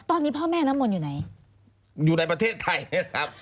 ตอนนี้พ่อแม่น้ำมนต์อยู่ไหนอยู่ในประเทศไทยนะครับ